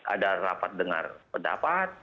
ada rapat dengar pendapat